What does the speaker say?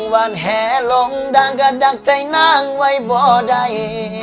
วันแหลงลงด้านก็ดักใจนั้งไว้บ่ได้